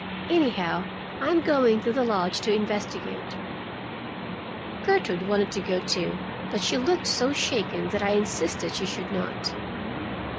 Anyhow, I'm going to the lodge to investigate." Gertrude wanted to go, too, but she looked so shaken that I insisted she should not.